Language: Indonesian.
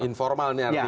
informal ini artinya ya